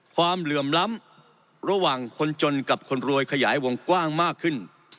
เหลื่อมล้ำระหว่างคนจนกับคนรวยขยายวงกว้างมากขึ้น